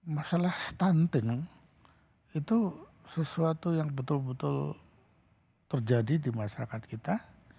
masalah stunting itu sesuatu yang betul betul terjadi di masyarakat kita